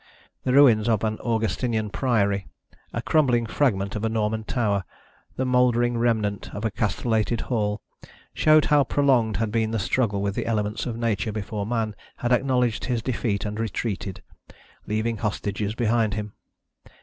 The ruins of an Augustinian priory, a crumbling fragment of a Norman tower, the mouldering remnant of a castellated hall, showed how prolonged had been the struggle with the elements of Nature before Man had acknowledged his defeat and retreated, leaving hostages behind him.